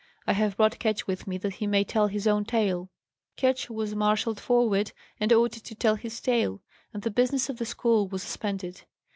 I have brought Ketch with me that he may tell his own tale." Ketch was marshalled forward and ordered to tell his tale, and the business of the school was suspended.